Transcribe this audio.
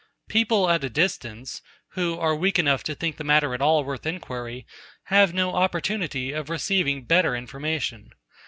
People at a distance, who are weak enough to think the matter at all worth enquiry, have no opportunity of receiving better information.